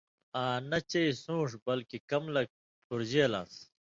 آں نہ چے سُون٘ݜ بلکے کم لَک پُھرژېل آن٘س۔